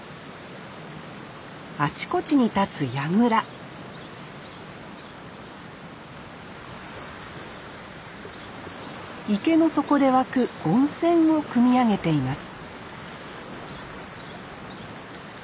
あちこちに立つやぐら池の底で湧く温泉を汲み上げています